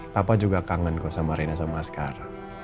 papa juga kangen kok sama reina sama askar